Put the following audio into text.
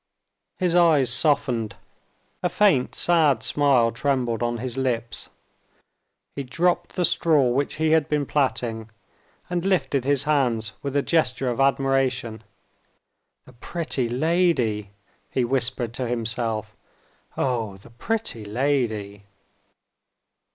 His eyes softened, a faint sad smile trembled on his lips. He dropped the straw which he had been plaiting, and lifted his hands with a gesture of admiration. "The pretty lady!" he whispered to himself. "Oh, the pretty lady!"